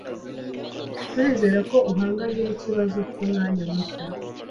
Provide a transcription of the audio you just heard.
Turizera ko uhanganye nikibazo cyumwanya mushya.